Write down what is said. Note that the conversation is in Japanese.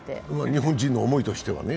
日本人の思いとしてはね。